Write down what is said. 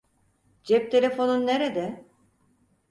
Cep telefonun nerede?